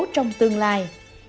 trong tương lai